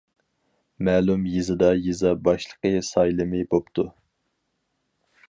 مەلۇم يېزىدا يېزا باشلىقى سايلىمى بوپتۇ.